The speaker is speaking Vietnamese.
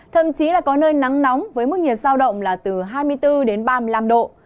thậm chí là có nơi nắng nóng với mức nhiệt giao động là từ hai mươi bốn đến ba mươi năm độ